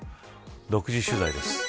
独自取材です。